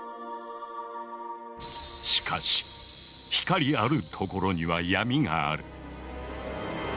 しかし光あるところには闇がある。